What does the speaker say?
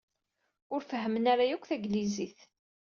Ur fehhmen ara yakk taglizit.